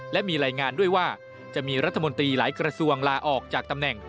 และมีรายงานด้วยว่าจะมีรัฐมนตรีหลายกระทรวงลาออกจากตำแหน่ง